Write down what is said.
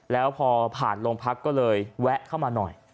แล้วพอผ่านโรงพักก็เลยแวะเข้ามาหน่อย